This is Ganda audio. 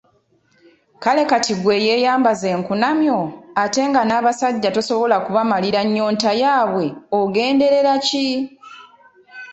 Kale kaakati ggwe eyeeyambaza enkunamyo, ate nga abasajja tosobola kubamalira nnyonta yaabwe ogenderera ki?